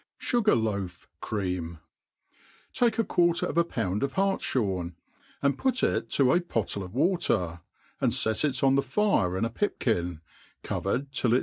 ... Sugar Loaf Cream, TAKE a quarter of a pound of hartfliorn, and put it^toa potile of Wdter, and fet on the fire in a pipkin, cpverfed till ft